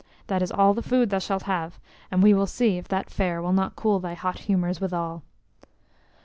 That is all the food thou shalt have, and we will see if that fare will not cool thy hot humors withal."